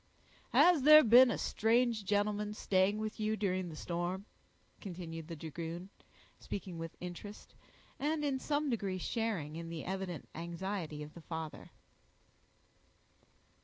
"Has there been a strange gentleman staying with you during the storm?" continued the dragoon, speaking with interest, and in some degree sharing in the evident anxiety of the father.